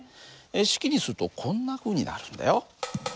式にするとこんなふうになるんだよ。